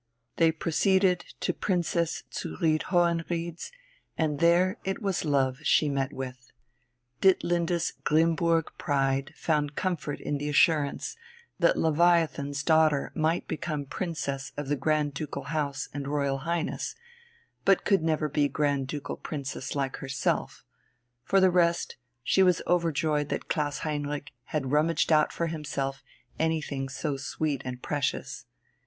They proceeded to Princess zu Ried Hohenried's, and there it was love she met with. Ditlinde's Grimmburg pride found comfort in the assurance that Leviathan's daughter might become Princess of the Grand Ducal House and Royal Highness, but could never be Grand Ducal Princess like herself; for the rest, she was overjoyed that Klaus Heinrich had rummaged out for himself anything so sweet and precious.